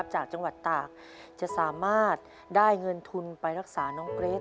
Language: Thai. จากจังหวัดตากจะสามารถได้เงินทุนไปรักษาน้องเกรท